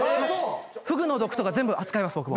フグの毒とか全部扱えます。